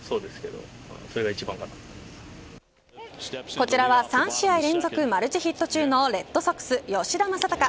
こちらは３試合連続マルチヒット中のレッドソックス、吉田正尚。